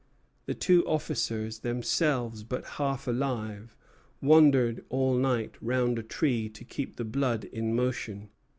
The two officers, themselves but half alive, walked all night round a tree to keep the blood in motion.